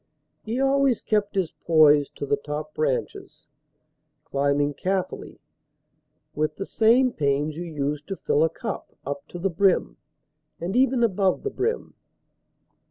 He always kept his poise To the top branches, climbing carefully With the same pains you use to fill a cup Up to the brim, and even above the brim.